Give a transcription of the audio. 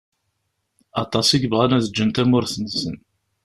Aṭas i yebɣan ad ǧǧen tamurt-nsen.